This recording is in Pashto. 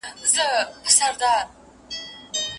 عاجزي او حلیمتوب په هره ټولنه کي ډېر ستایل کېږي.